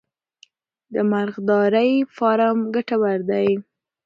د مرغدارۍ فارم ګټور دی؟